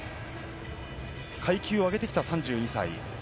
階級を上げてきた３２歳。